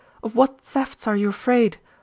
Of what thefts are you afraid ?